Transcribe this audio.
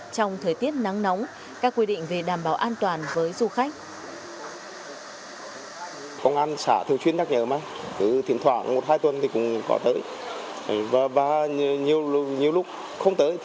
trong thời tiết nắng nóng các quy định về đảm bảo an toàn với du khách